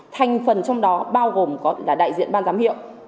thành phần trong đó bao gồm có là đại diện ban giám hiệu